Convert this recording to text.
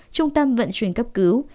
trung tâm vận chuyển cấp cứu